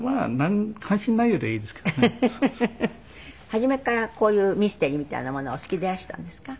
初めからこういうミステリーみたいなものはお好きでいらしたんですか？